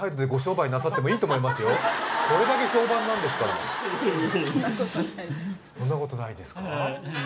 もうそんなことないですか？